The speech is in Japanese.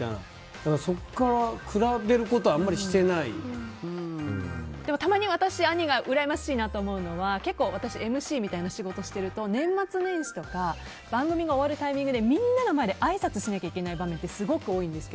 だから、そこから比べることはたまに私、兄がうらやましいと思うのは結構、私ＭＣみたいな仕事をしていると年末年始とか番組が終わるタイミングでみんなの前であいさつしなきゃいけない場面がすごく多いんですが。